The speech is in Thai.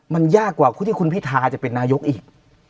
มันยากกว่าผู้ที่คุณพิทาจะเป็นนายกอีก